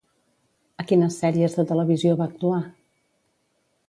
A quines sèries de televisió va actuar?